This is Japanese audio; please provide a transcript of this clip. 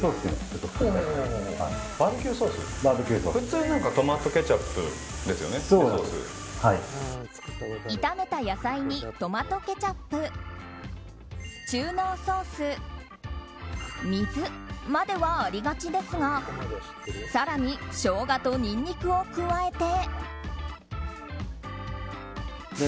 普通トマトケチャップですよね炒めた野菜にトマトケチャップ中濃ソース、水まではありがちですが更にショウガとニンニクを加えて。